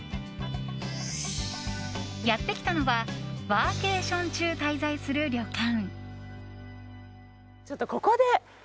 やってきたのはワーケーション中滞在する旅館。